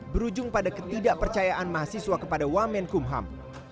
berujung pada ketidakpercayaan mahasiswa kepada wamen kumham